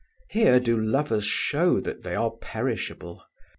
Here do lovers show that they are perishable.